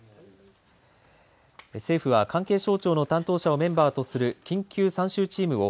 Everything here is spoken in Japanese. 政府は関係省庁の担当メンバー緊急参集チームを